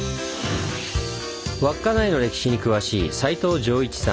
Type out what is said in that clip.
稚内の歴史に詳しい斉藤譲一さん。